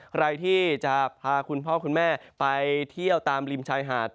ใครที่จะพาคุณพ่อคุณแม่ไปเที่ยวตามริมชายหาด